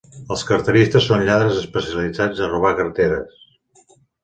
Els carteristes són lladres especialitzats a robar carteres.